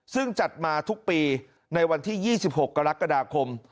ซึ่งจัดมาทุกปีในวันที่๒๖กรกฎาคม